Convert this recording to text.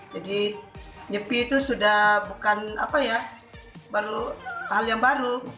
jadi nyepi itu sudah bukan hal yang baru